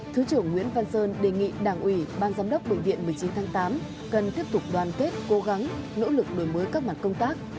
thứ trưởng nguyễn văn sơn đề nghị đảng ủy ban giám đốc bệnh viện một mươi chín tháng tám cần tiếp tục đoàn kết cố gắng nỗ lực đổi mới các mặt công tác